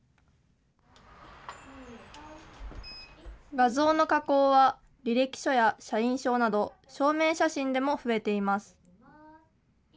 画像の加工は、履歴書や社員証など証明写真でも増えています。